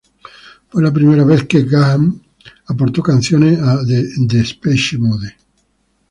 Fue la primera vez que Gahan aportó canciones a Depeche Mode.